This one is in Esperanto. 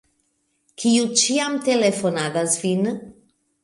Kiu ĉiam telefonadas vin?